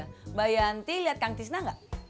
mbak yanti liat kang tisna gak